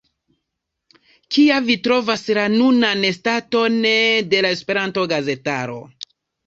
Kia vi trovas la nunan staton de la Esperanto-gazetaro?